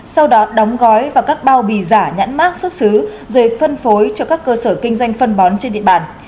sau đó đóng gói và các bao bì giả nhãn mát xuất xứ rồi phân phối cho các cơ sở kinh doanh phân bón trên địa bàn